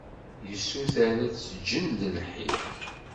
Yessuter ad t-ǧǧen d lḥi.